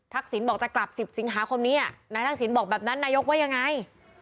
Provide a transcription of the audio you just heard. สินบอกจะกลับ๑๐สิงหาคมนี้นายทักษิณบอกแบบนั้นนายกว่ายังไง